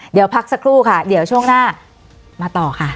เดี๋ยวพักสักครู่ค่ะเดี๋ยวช่วงหน้ามาต่อค่ะ